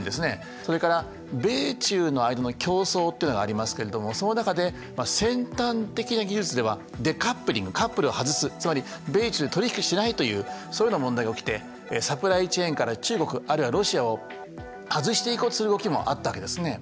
それから米中の間の競争っていうのがありますけれどもその中で先端的な技術ではデカップリングカップルを外すつまり米中取り引きしないというそういうような問題が起きてサプライ・チェーンから中国あるいはロシアを外していこうとする動きもあったわけですね。